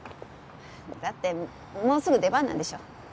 だってもうすぐ出番なんでしょ？